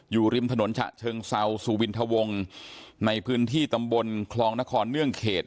อยู่ริมถนนฉะเชิงเซาสุวินทวงในพื้นที่ตำบลคลองนครเนื่องเขต